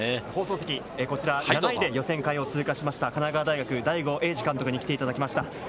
こちら７位で予選会を通過しました神奈川大学・大後栄治監督に来ていただきました。